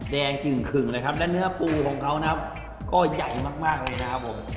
กึ่งนะครับและเนื้อปูของเขานะครับก็ใหญ่มากเลยนะครับผม